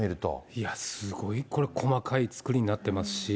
いやすごい、これ細かい作りになっていますし。